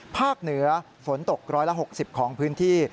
ภาคเหนือฝนตกร้อยละ๖๐ของพื้นที่